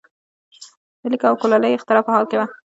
د لیک او کولالۍ اختراع په حال کې وو.